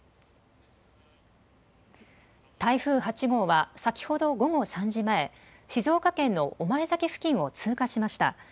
台風８号は先ほど午後３時前、静岡県の御前崎付近を通過しました。